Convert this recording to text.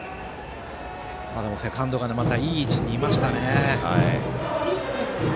でも、セカンドがまた、いい位置にいましたね。